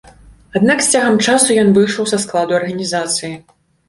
Аднак з цягам часу ён выйшаў са складу арганізацыі.